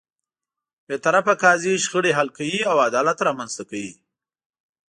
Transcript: بېطرفه قاضی شخړې حل کوي او عدالت رامنځته کوي.